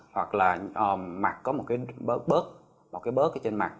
hoặc là mặt có một cái bớt trên mặt